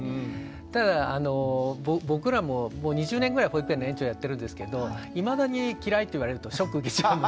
ただ僕らももう２０年ぐらい保育園の園長やってるんですけどいまだに「嫌い」って言われるとショック受けちゃうので。